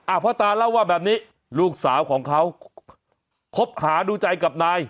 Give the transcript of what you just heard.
พ่อตาเล่าว่าแบบนี้ลูกสาวของเขาคบหาดูใจกับนาย